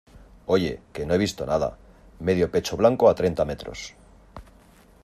oye, que no he visto nada , medio pecho blanco a treinta metros.